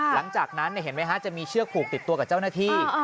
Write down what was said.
หลังจากนั้นเห็นไหมฮะจะมีเชือกผูกติดตัวกับเจ้าหน้าที่